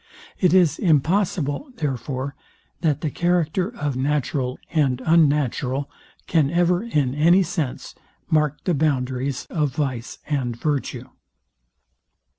It is impossible, therefore, that the character of natural and unnatural can ever, in any sense, mark the boundaries of vice and virtue.